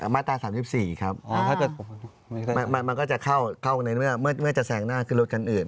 มาตรา๓๔ครับมันก็จะเข้าในเมื่อจะแซงหน้าขึ้นรถคันอื่น